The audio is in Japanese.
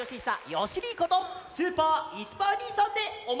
よしにいことスーパーいすパーにいさんでおま。